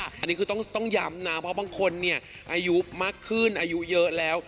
อันนี้คือต้องย้ำนะเพราะบางคนเนี่ยอายุมากขึ้นอายุเยอะแล้ว